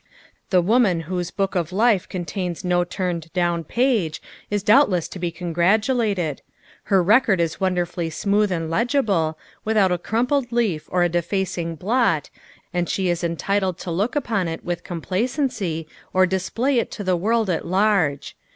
The woman whose book of life contains no turned down page is doubtless to be congratulated. Her record is wonderfully smooth and legible, without a crumpled leaf or a defacing blot, and she is entitled to look upon it with complacency or display it to the world at large.